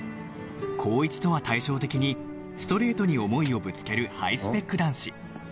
紘一とは対照的にストレートに思いをぶつけるハイスペック男子